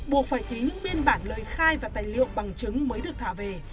buộc phải ký những biên bản lời khai và tài liệu bằng chứng mới được thả về